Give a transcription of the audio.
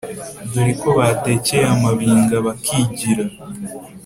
dore ko batekeye amabinga bakigira